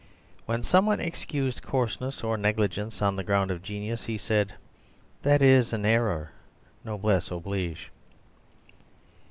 When some one excused coarseness or negligence on the ground of genius, he said, "That is an error: Noblesse oblige."